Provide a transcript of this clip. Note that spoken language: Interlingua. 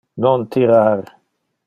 Non tirar!